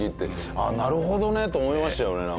ああなるほどねと思いましたよねなんか。